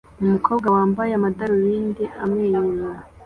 Umukobwa wambaye amadarubindi amwenyura